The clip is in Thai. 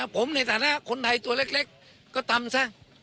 ผมในฐานะคนไทยตัวเล็กก็ตำซะ